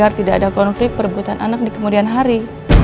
tidak ada konflik perebutan anak di kemudian hari